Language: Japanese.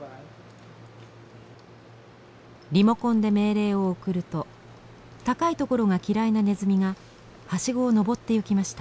リモコンで命令を送ると高い所が嫌いなネズミがはしごを上っていきました。